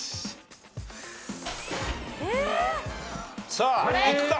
さあいくか？